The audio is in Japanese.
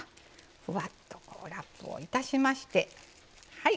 ふわっとこうラップをいたしましてはい